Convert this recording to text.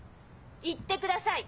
行ってください！